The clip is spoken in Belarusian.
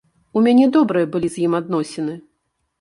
У мяне добрыя былі з ім адносіны.